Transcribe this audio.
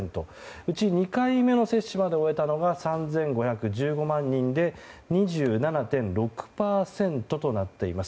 うち２回目の接種を終えた人が３５１５万人で２７．６％となっています。